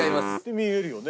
見えるよね。